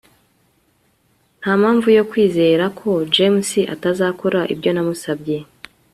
ntampamvu yo kwizera ko james atazakora ibyo namusabye